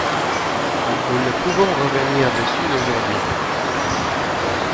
Nous ne pouvons revenir dessus aujourd’hui.